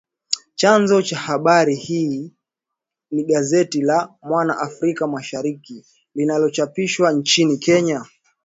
Chanzo cha habari hii ni gazeti la “Mwana Afrika Mashariki” linalochapishwa nchini Kenya